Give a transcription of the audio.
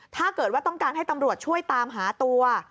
ถ้าเกิดว่าต้องการให้ตำรวจช่วยตามหาตัว